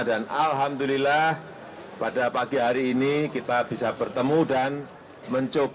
dan alhamdulillah pada pagi hari ini kita bisa bertemu dan mencoba